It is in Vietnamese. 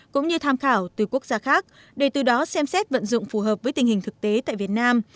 cũng như tham khảo từ quốc gia khác để từ đó xem xét vận dụng phù hợp với tình hình thực tế tại việt nam